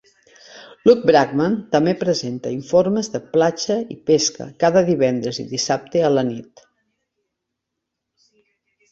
Luke Bradnam també presenta informes de Platja i Pesca cada divendres i dissabte a la nit.